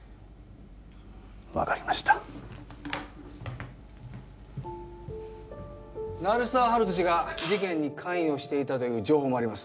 分かりました・鳴沢温人氏が事件に関与していたという情報もあります